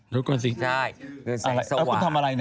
รู้สึกก่อนสิ